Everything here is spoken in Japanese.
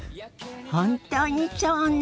本当にそうね！